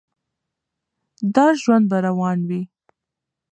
دا ژوند به روان وي.